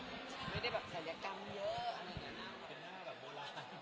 ไม่ได้แบบศัลยกรรมเยอะเป็นหน้าแบบโบราณ